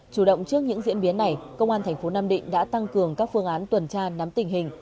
chủ động trước những diễn biến này công an thành phố nam định đã tăng cường các phương án tuần tra nắm tình hình